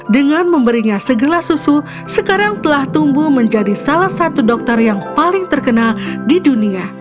dengan memberinya segelas susu sekarang telah tumbuh menjadi salah satu dokter yang paling terkenal di dunia